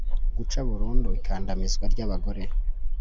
guca burundu ikandamizwa ry'abagore